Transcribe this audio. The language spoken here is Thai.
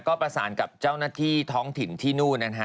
ก็ประสานกับเจ้าหน้าที่ท้องถิ่นที่นู่นนะฮะ